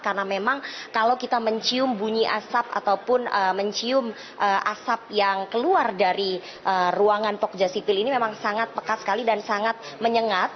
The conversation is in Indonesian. karena memang kalau kita mencium bunyi asap ataupun mencium asap yang keluar dari ruangan pogja sipil ini memang sangat pekat sekali dan sangat menyengat